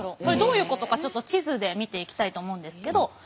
これどういうことかちょっと地図で見ていきたいと思うんですけど。